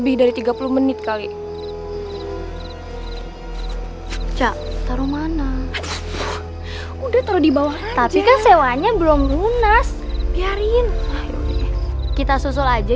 ini kaget ya taruh mana udah terlebih bawah tapi kan sewanya belum lunas biarin kita susul aja